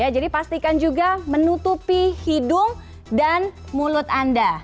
jadi pastikan juga menutupi hidung dan mulut anda